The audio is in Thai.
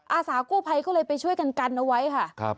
อาสากู้ภัยก็เลยไปช่วยกันกันเอาไว้ค่ะ